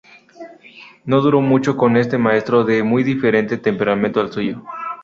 No duró mucho con este maestro, de muy diferente temperamento al suyo.